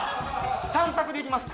３択でいきます